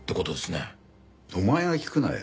お前が聞くなよ。